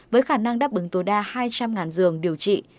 với khả năng đáp ứng tối đa hai trăm linh giường điều trị